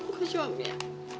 aku kasih uang ya